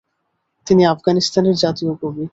তিনি আফগানিস্তানের জাতীয় কবি।